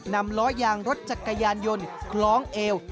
ล้อยางรถจักรยานยนต์คล้องเอว